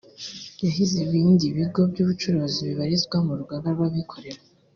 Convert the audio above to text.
yahize ibindi bigo by’ubucuruzi bibarizwa mu rugaga rw’abikorera